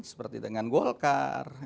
seperti dengan golkar